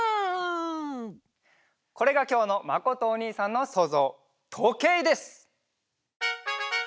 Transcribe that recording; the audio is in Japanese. これがきょうのまことおにいさんのそうぞうとけいです！